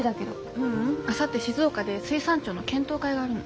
ううんあさって静岡で水産庁の検討会があるの。